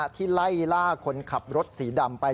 ที่ไล่ล่าคนขับรถสีดำไป